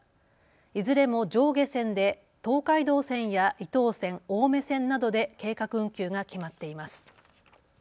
いずれも上下線で東海道線や伊東線、青梅線などで計画運休が決まっています。